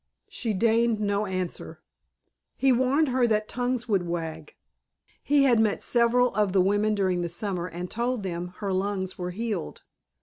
She deigned no answer. He warned her that tongues would wag. He had met several of the women during the summer and told them her lungs were healed....